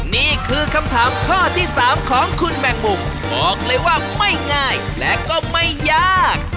นี่คือคำถามข้อที่๓ของคุณแมงมุมบอกเลยว่าไม่ง่ายและก็ไม่ยาก